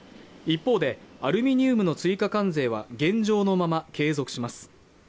一方でアルミニウムの追加関税は現状のまま継続します